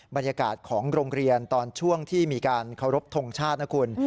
บรรยากาศของโรงเรียนตอนช่วงที่มีการเคารพทงชาตินะคุณ